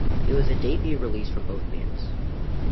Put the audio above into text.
It was the debut release from both bands.